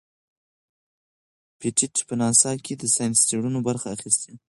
پېټټ په ناسا کې د ساینسي څیړنو برخه اخیستې.